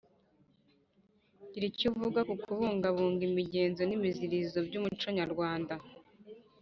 gira icyo uvuga ku kubungabunga imigenzo n’imiziririzo by’umuco nyarwanda.